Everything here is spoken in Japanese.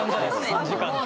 ３時間って。